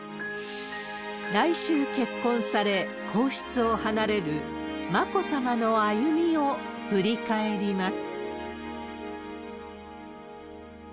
来週結婚され、皇室を離れる眞子さまの歩みを振り返ります。